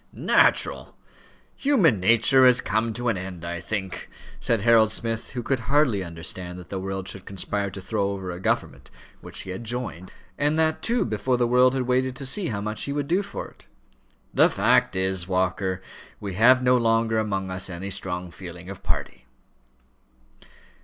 "Natural! Human nature has come to an end, I think," said Harold Smith, who could hardly understand that the world should conspire to throw over a government which he had joined, and that, too, before the world had waited to see how much he would do for it; "the fact is this, Walker, we have no longer among us any strong feeling of party."